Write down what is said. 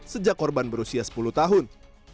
sejak korban berusia sepuluh tahun